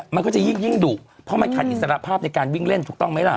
มันก็จะยิ่งดุเพราะมันขาดอิสระภาพในการวิ่งเล่นถูกต้องไหมล่ะ